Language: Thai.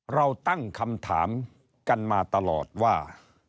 เราตั้งคำถามกันมาตลอดว่า